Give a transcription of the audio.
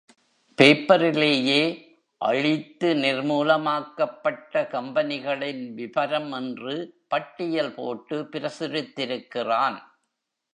பேப்பரிலேயே, அழித்து நிர்மூலமாக்கப்பட்ட கம்பெனிகளின் விபரம் என்று பட்டியல் போட்டு பிரசுரித்திருக்கிறான்.